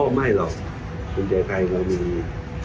โอ้ไม่หรอกกวงใจไพรมันมี